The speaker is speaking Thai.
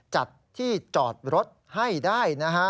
จัดที่จอดรถให้ได้นะฮะ